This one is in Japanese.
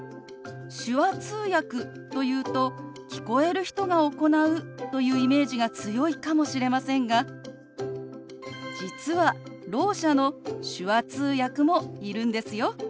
手話通訳というと聞こえる人が行うというイメージが強いかもしれませんが実はろう者の手話通訳もいるんですよ。